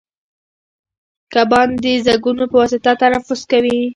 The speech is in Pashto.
کبان د زګونو په واسطه تنفس کوي